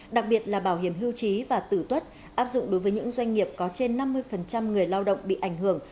đặc biệt là bảo hiểm hưu trí và tử tuất áp dụng đối với những doanh nghiệp có trên năm mươi người lao động bị ảnh hưởng